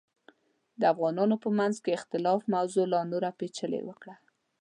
د افغانانو په منځ کې اختلاف موضوع لا نوره پیچلې کړه.